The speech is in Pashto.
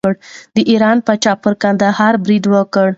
د ایران پاچا پر کندهار برید وکړ.